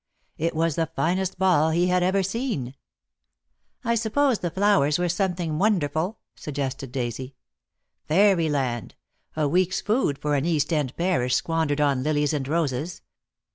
It was the finest ball he had ever seen. "I suppose the flowers were something wonder ful," suggested Daisy. "Fairy land. A week's food for an East End parish squandered on lilies and roses.